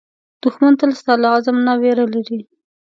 دښمن تل ستا له عزم نه وېره لري